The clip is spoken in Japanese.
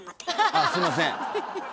あすいません。